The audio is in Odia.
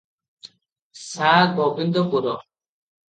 ସା-ଗୋବିନ୍ଦପୁର ।